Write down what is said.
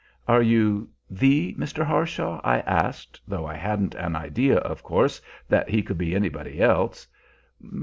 "Are you the Mr. Harshaw?" I asked, though I hadn't an idea, of course, that he could be anybody else.